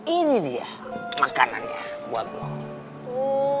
ini dia makanannya buat lo